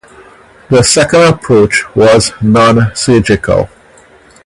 The second approach was nonsurgical.